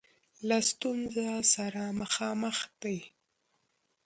له ستونزه سره مخامخ دی.